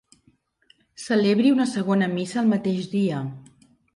Celebri una segona missa el mateix dia.